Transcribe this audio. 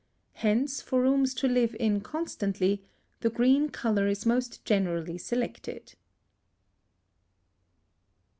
Hence for rooms to live in constantly, the green colour is most generally selected.